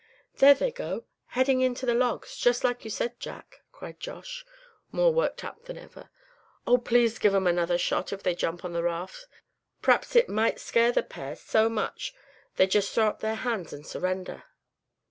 "There they go, heading in to the logs, just like you said, Jack!" cried Josh, more worked up than ever. "Oh! please give 'em another shot if they jump on the raft. P'raps it might scare the pair so much they'd just throw up their hands, and surrender."